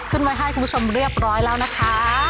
ขึ้นไว้ให้คุณผู้ชมเรียบร้อยแล้วนะคะ